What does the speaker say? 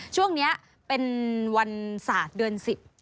ช่วงนี้เป็นวันศาสตร์เดือน๑๐